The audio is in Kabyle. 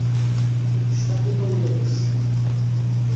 Yectaq imawlan-is.